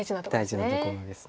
大事なところです。